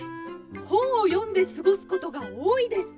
ほんをよんですごすことがおおいです。